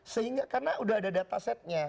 sehingga karena sudah ada data setnya